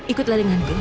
ikutlah dengan gue